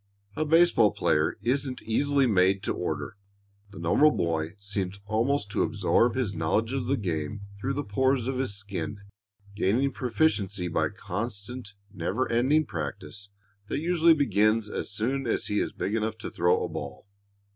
A baseball player isn't easily made to order. The normal boy seems almost to absorb his knowledge of the game through the pores of his skin, gaining proficiency by constant, never ending practice that usually begins as soon as he is big enough to throw a ball.